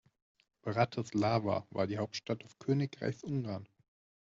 Bratislava war die Hauptstadt des Königreichs Ungarn.